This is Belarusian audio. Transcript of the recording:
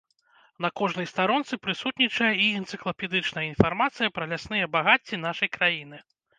На кожнай старонцы прысутнічае і энцыклапедычная інфармацыя пра лясныя багацці нашай краіны.